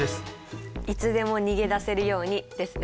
いつでも逃げ出せるようにですね。